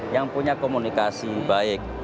yang punya komunikasi baik